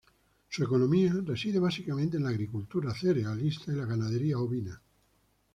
Su economía reside básicamente en la agricultura cerealista y la ganadería ovina.